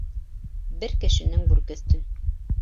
Бер кешенең бүрке өҫтөн.